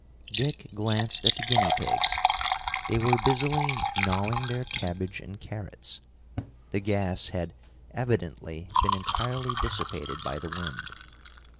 Dick glanced at the guinea pigs. They were busily gnawing their cabbage and carrots. The gas had evidently been entirely dissipated by the wind.